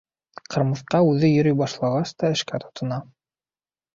Ҡырмыҫҡа үҙе йөрөй башлағас та эшкә тотона.